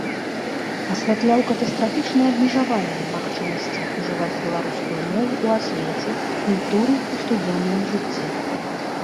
Асвятляў катастрафічнае абмежаванне магчымасцей ужываць беларускую мову ў асвеце, культуры і штодзённым жыцці.